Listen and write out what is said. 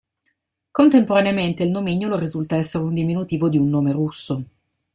Contemporaneamente il nomignolo risulta essere un diminutivo di un nome russo.